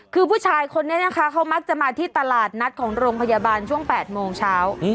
คือผู้ชายคนนี้นะคะเขามักจะมาที่ตลาดนัดของโรงพยาบาลช่วง๘โมงเช้า